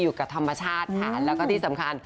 อยู่กับธรรมชาติค่ะแล้วก็ที่สำคัญ